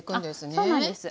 あっそうなんです。